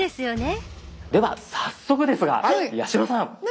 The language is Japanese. では早速ですが八代さん。何？